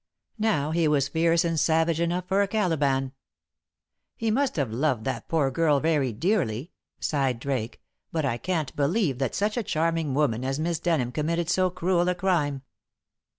Now he was fierce and savage enough for a Caliban. "He must have loved that poor girl very dearly," sighed Drake, "but I can't believe that such a charming woman as Miss Denham committed so cruel a crime.